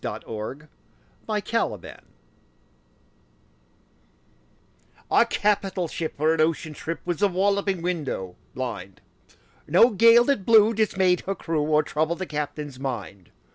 Y Z A Nautical Ballad A CAPITAL ship for an ocean trip Was The Walloping Window blind No gale that blew dismayed her crew Or troubled the captain's mind.